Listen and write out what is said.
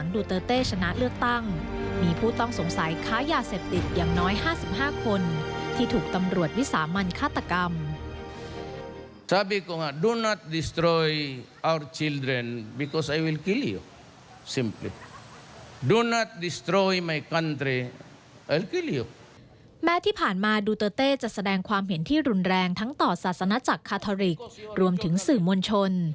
แม้ที่ผ่านมาดูเตอร์เต้จะแสดงความเห็นที่รุนแรงทั้งต่อศาสนจักรคาทอริกรวมถึงสื่อมวลชน